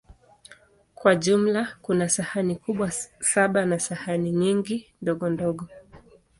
Kwa jumla, kuna sahani kubwa saba na sahani nyingi ndogondogo.